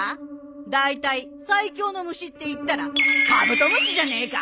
だいたい最強の虫っていったらカブトムシじゃねえか。